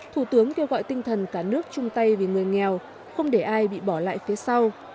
thủ tướng kêu gọi tinh thần cả nước chung tay vì người nghèo không để ai bị bỏ lại phía sau